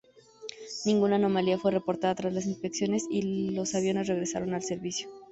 Ninguna anomalía fue reportada tras las inspecciones y los aviones regresaron a servicio.